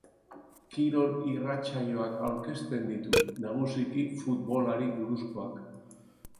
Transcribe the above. Kirol irratsaioak aurkezten ditu, nagusiki futbolari buruzkoak.